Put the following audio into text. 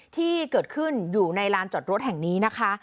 ที่เกิดขึ้นอยู่ในลานจอดรถแห่งนี้นะคะ